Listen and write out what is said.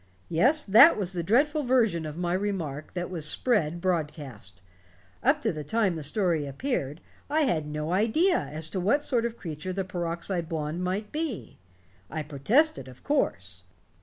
"Yes, that was the dreadful version of my remark that was spread broadcast. Up to the time that story appeared, I had no idea as to what sort of creature the peroxide blonde might be. I protested, of course.